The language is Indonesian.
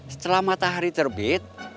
setelah matahari terbit